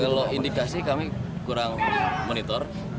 kalau indikasi kami kurang monitor